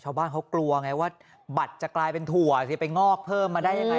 ชาวบ้านเขากลัวไงว่าบัตรจะกลายเป็นถั่วสิไปงอกเพิ่มมาได้ยังไง